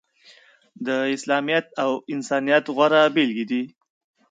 د اسلامیت او انسانیت غوره بیلګې دي.